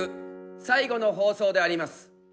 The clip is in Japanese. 最後の放送であります。